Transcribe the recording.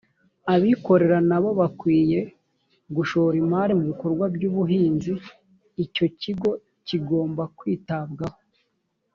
abikorera nabo bakwiye gushora imari mu bikorwa by’ ubuhinzi icyo kigo kigomba kwitabwaho